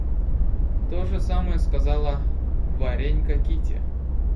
То же самое сказала Варенька Кити.